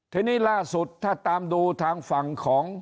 ทีนี้ล่าสุดถ้าตามดูทางฝั่งของ